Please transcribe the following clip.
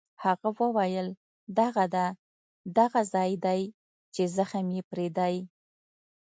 هغه وویل: دغه ده، دغه ځای دی چې زخم یې پرې دی.